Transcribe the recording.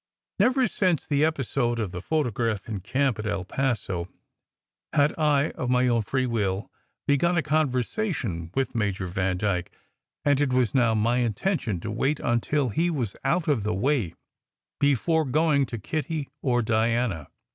Never since the episode of the photograph in camp at El Paso had I of my own free will begun a conversation with Major Vandyke, and it was now my intention to wait until he was out of the way before going to Kitty or Diana.